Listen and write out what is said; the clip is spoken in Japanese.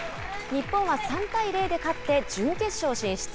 日本は３対０で勝って準決勝進出。